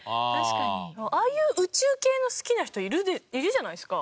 ああいう宇宙系の好きな人いるじゃないですか。